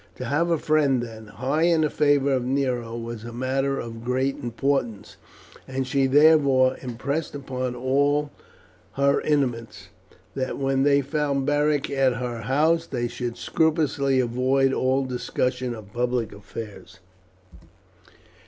To have a friend, then, high in the favour of Nero was a matter of great importance; and she therefore impressed upon all her intimates that when they found Beric at her house they should scrupulously avoid all discussion of public affairs.